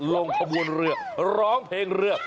ลงขบวนเรือร้องเพลงเรือ